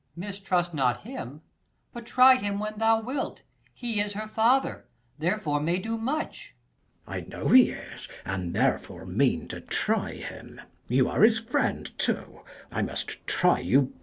100 Per. Mistrust not him, but try him when thou wilt : He is her father, therefore may do much. Mess. I know he is, and therefore mean to try him : You are his friend too, I must try you both.